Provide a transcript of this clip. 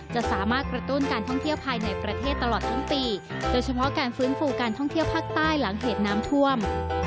จะสามารถกระตุ้นการท่องเที่ยวภายในประเทศตลอดทั้งปีโดยเฉพาะการฟื้นฟูการท่องเที่ยวภาคใต้หลังเหตุน้ำท่วม